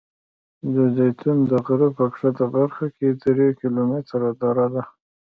د زیتون د غره په ښکته برخه کې درې کیلومتره دره ده.